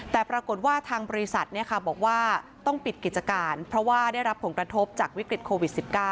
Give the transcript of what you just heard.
แต่ปรากฏว่าทางบริษัทบอกว่าต้องปิดกิจการเพราะว่าได้รับผลกระทบจากวิกฤตโควิด๑๙